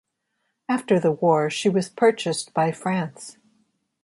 After the war, she was purchased by France.